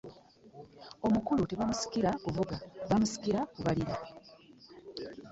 Omukulu tebamusiikira kuvuga bamusiikira kubalira.